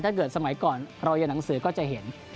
ถ้าเกิดสมัยก่อนรอยในหนังสือก็จะเห็น